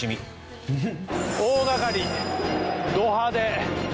大がかり、ド派手。